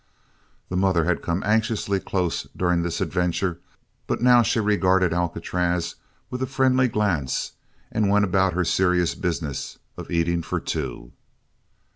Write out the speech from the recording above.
The mother had come anxiously close during this adventure but now she regarded Alcatraz with a friendly glance and went about her serious business of eating for two.